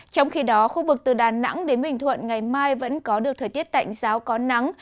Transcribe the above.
trong khi đó khu vực từ đà nẵng đến bình thuận ngày mai vẫn có được thời tiết tạnh giáo có nắng